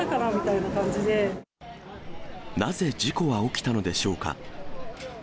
なぜ事故は起きたのでしょうか。